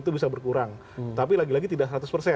itu bisa berkurang tapi lagi lagi tidak